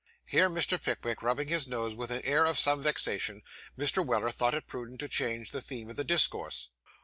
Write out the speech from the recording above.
Here Mr. Pickwick, rubbing his nose with an air of some vexation, Mr. Weller thought it prudent to change the theme of the discourse.